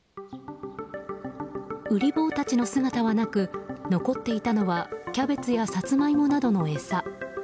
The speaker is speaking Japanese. ウリ坊たちの姿はなく残っていたのはキャベツやサツマイモなどの餌。